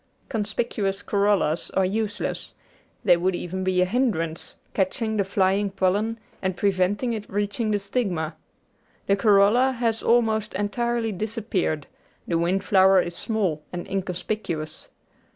Conspieuous corollas are use less; they would even be a hindrance, catching the flying pollen and preventing it reaching the stigma. The corolla has almost entirely disappeared, the wind flower is small and inconspicuous.